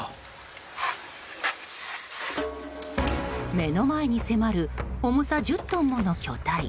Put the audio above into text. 目の前に迫る重さ１０トンもの巨体。